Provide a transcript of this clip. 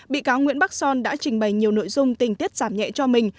bị cáo nguyễn bắc son đã trình bày nhiều nội dung tình tiết giảm nhẹ cho mình